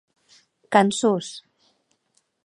Cançons!